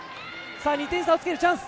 ２点差をつけるチャンス。